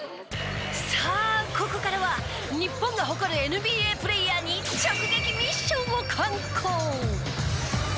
さあここからは日本が誇るＮＢＡプレーヤーに直撃ミッションを敢行！